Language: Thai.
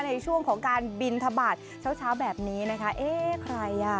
ในช่วงของการบินทบาทเช้าเช้าแบบนี้นะคะเอ๊ะใครอ่ะ